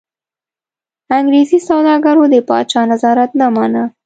انګرېزي سوداګرو د پاچا نظارت نه مانه.